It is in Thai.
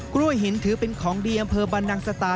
กล้วยหินถือเป็นของดีอำเภอบรรนังสตา